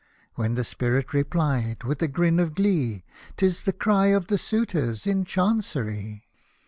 When the Spirit replied, with a grin of glee, " 'Tis the cry of the Suitors in Chancery